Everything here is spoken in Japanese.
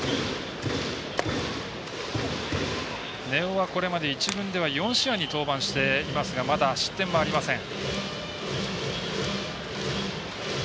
根尾はこれまで１軍では４試合に登板していますがまだ、失点はありません。